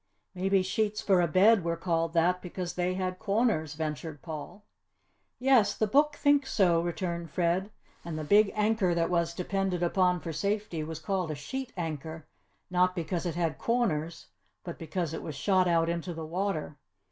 "Maybe sheets for a bed were called that because they had corners," ventured Paul. "Yes, the book thinks so," returned Fred. "And the big anchor that was depended upon for safety was called a 'sheet anchor' not because it had corners but because it was shot out into the water.